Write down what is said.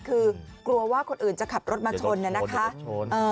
คือกลัวว่าคนอื่นจะขับรถมาชนเนี่ยนะคะ